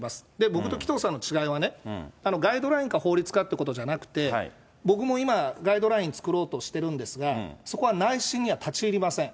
僕と紀藤さんの違いは、ガイドラインか法律かっていうことじゃなくって、僕も今、ガイドライン作ろうとしてるんですが、そこは内心には立ち入りません。